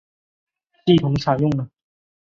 系统采用了。